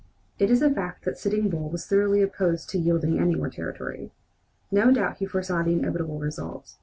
It is a fact that Sitting Bull was thoroughly opposed to yielding any more territory. No doubt he foresaw the inevitable result.